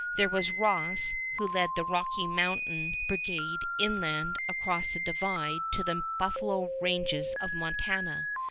There was Ross, who led the Rocky Mountain Brigade inland across the Divide to the buffalo ranges of Montana.